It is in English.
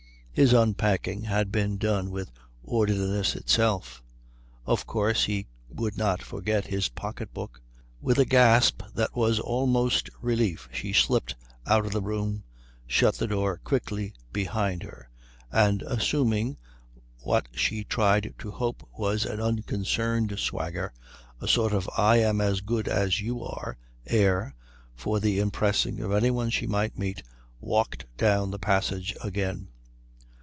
His unpacking had been done with orderliness itself. Of course he would not forget his pocket book. With a gasp that was almost relief she slipped out of the room, shut the door quickly behind her, and assuming what she tried to hope was an unconcerned swagger, a sort of "I am as good as you are" air for the impressing of any one she might meet, walked down the passage again.